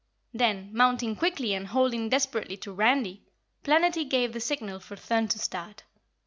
Then, mounting quickly and holding desperately to Randy, Planetty gave the signal for Thun to start.